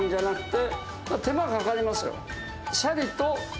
手間かかりますよ。